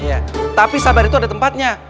iya tapi sabar itu ada tempatnya